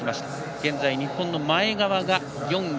現在日本の前川が４位。